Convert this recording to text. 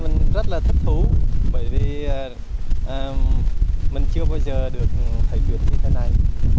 mình rất là thích thú bởi vì mình chưa bao giờ được thấy tuyết như thế này